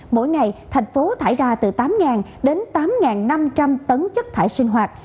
mỗi ngày thành phố thải ra từ tám đến tám năm trăm linh tấn chất thải sinh hoạt